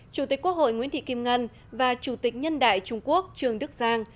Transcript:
chủ tịch quốc hội nguyễn thị kim ngân và chủ tịch nhân đại trung quốc trường đức giang